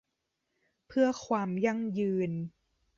เพื่อความยั่งยืน